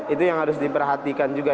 itu yang harus diperhatikan juga